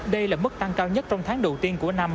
đây là mức tăng cao nhất trong tháng đầu tiên của năm